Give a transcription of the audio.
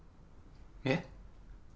えっ？